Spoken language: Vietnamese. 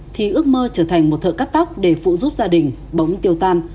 thì ước mơ trở thành một thợ cắt tóc để phụ giúp gia đình bóng tiêu tan